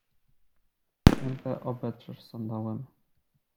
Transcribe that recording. Piętę obetrzesz sandałem!